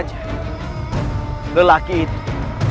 berlebihan untuk kau